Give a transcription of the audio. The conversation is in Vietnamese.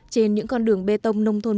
trên những con đường bê tông nông tôn